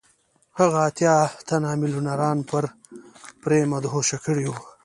هغه اتیا تنه میلیونران پرې مدهوشه کړي وو